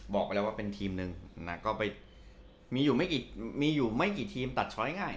บอกแล้วว่าเป็นทีมหนึ่งมีอยู่ไม่กี่ทีมตัดช้อยง่าย